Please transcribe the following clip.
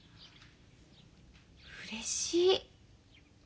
うれしい。